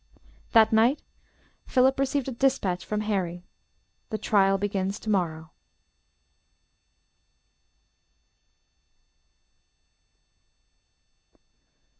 That night Philip received a dispatch from Harry "The trial begins tomorrow."